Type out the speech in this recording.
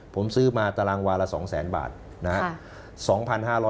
ผมซื้อมาตารางวาละ๒๐๐๐๐บาทนะครับ